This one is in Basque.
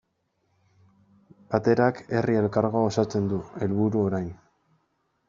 Baterak Herri Elkargoa osatzea du helburu orain.